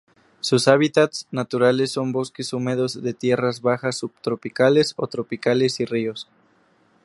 Sus hábitats naturales son bosques húmedos de tierras bajas subtropicales o tropicales y ríos.